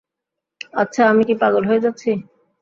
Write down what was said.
আচ্ছা, আমি কি পাগল হয়ে যাচ্ছি?